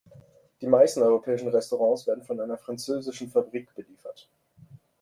Die meisten europäischen Restaurants werden von einer französischen Fabrik beliefert.